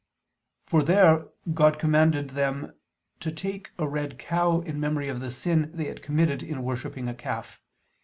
For there God commanded them to take a red cow in memory of the sin they had committed in worshipping a calf.